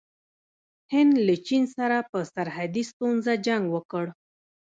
هند له چین سره په سرحدي ستونزه جنګ وکړ.